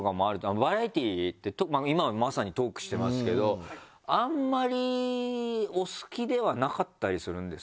バラエティーって今もまさにトークしてますけどあんまりお好きではなかったりするんですか？